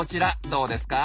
どうですか？